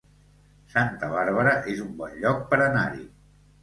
Santa Bàrbara es un bon lloc per anar-hi